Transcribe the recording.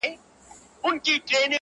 زما هدیرې ته به پېغور راځي؛